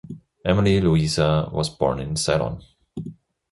Emily Louisa was born in Ceylon.